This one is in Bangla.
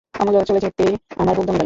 অমূল্য চলে যেতেই আমার বুক দমে গেল।